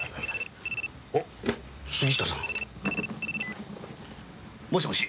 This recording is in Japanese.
おっ杉下さん。もしもし。